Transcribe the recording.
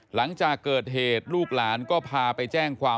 หลังจากเกิดเหตุลูกหลานก็พาไปแจ้งความ